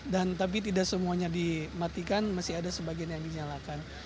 dan tapi tidak semuanya dimatikan masih ada sebagian yang dinyalakan